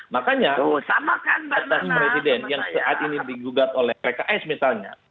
makanya batas presiden yang saat ini digugat oleh pks misalnya